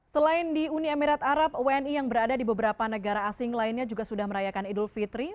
selain di uni emirat arab wni yang berada di beberapa negara asing lainnya juga sudah merayakan idul fitri